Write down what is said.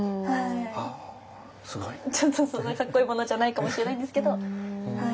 そんなかっこいいものじゃないかもしれないんですけど。